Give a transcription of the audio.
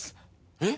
えっ！